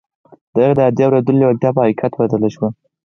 د هغه د عادي اورېدو لېوالتیا پر حقیقت بدله شوه